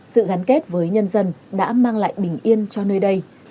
sự gắn kết với nhân dân đã mang lại bình yên cho nơi đây